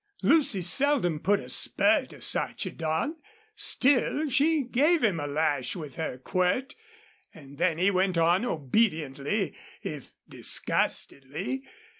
Lucy seldom put a spur to Sarchedon; still, she gave him a lash with her quirt, and then he went on obediently, if disgustedly.